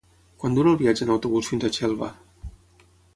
Quant dura el viatge en autobús fins a Xelva?